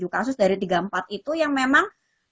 tujuh kasus dari tiga puluh empat itu yang memang